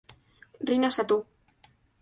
Rina Satō